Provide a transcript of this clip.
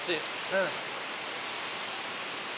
うん。